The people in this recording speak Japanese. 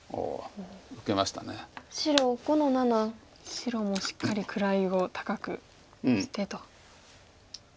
白もしっかり位を高くしてと。